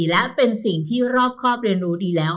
และเป็นสิ่งที่รอบครอบเรียนรู้ดีแล้ว